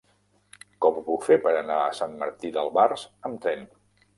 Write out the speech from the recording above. Com ho puc fer per anar a Sant Martí d'Albars amb tren?